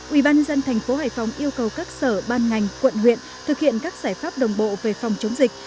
ubnd tp hải phòng yêu cầu các sở ban ngành quận huyện thực hiện các giải pháp đồng bộ về phòng chống dịch